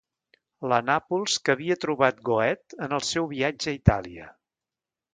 La Nàpols que havia trobat Goethe en el seu viatge a Itàlia...